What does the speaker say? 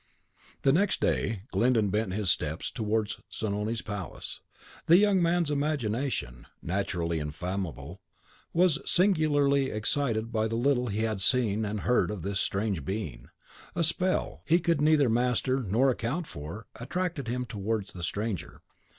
The next day Glyndon bent his steps towards Zanoni's palace. The young man's imagination, naturally inflammable, was singularly excited by the little he had seen and heard of this strange being, a spell, he could neither master nor account for, attracted him towards the stranger.